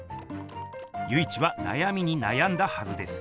由一はなやみになやんだはずです。